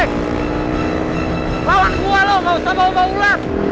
lawan gue lo gak usah bawa bawa ular